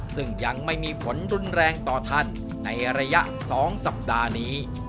ซึ่งยังไม่มีผลรุนแรงต่อท่านในระยะ๒สัปดาห์นี้